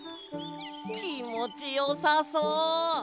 きもちよさそう。